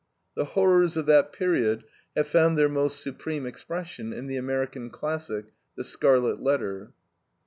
The horrors of that period have found their most supreme expression in the American classic, THE SCARLET LETTER.